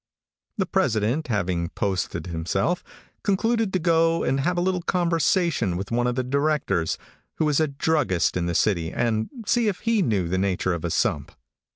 The president, having posted himself, concluded to go and have a little conversation with one of the directors, who is a druggist in the city, and see if he knew the nature of a sump.